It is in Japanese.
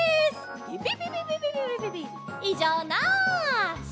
いじょうなし！